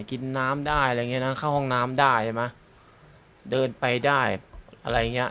กินน้ำได้อะไรอย่างเงี้นะเข้าห้องน้ำได้ใช่ไหมเดินไปได้อะไรอย่างเงี้ย